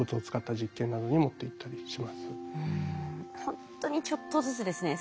ほんとにちょっとずつですね。